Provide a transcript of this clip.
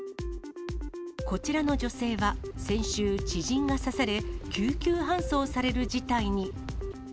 こちらの女性は先週、知人が刺され、救急搬送される事態に。